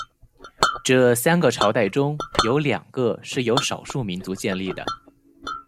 这三个朝代中有两个是由少数民族建立的。